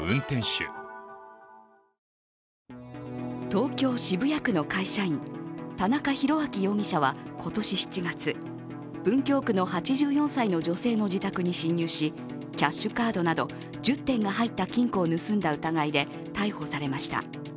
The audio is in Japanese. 東京・渋谷区の会社員、田中広明容疑者は今年７月、文京区の８４歳の女性の自宅に侵入し、キャッシュカードなど１０点が入った金庫を盗んだ疑いで逮捕されました。